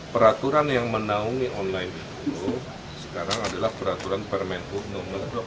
peraturan yang menaungi online itu sekarang adalah peraturan permen ug no dua puluh enam